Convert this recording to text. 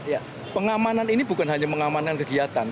ya pengamanan ini bukan hanya mengamankan kegiatan